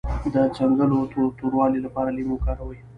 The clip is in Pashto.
د څنګلو د توروالي لپاره لیمو وکاروئ